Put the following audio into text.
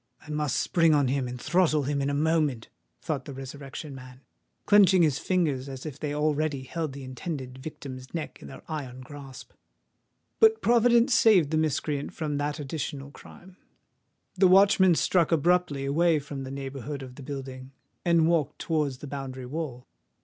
"I must spring upon him and throttle him in a moment," thought the Resurrection Man, clenching his fingers as if they already held the intended victim's neck in their iron grasp. But Providence saved the miscreant from that additional crime:—the watchman struck abruptly away from the neighbourhood of the building, and walked towards the boundary wall.